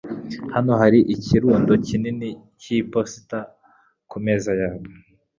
Hano hari ikirundo kinini cy'iposita kumeza yawe.